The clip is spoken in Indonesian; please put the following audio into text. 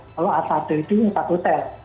kalau a satu itu satu sel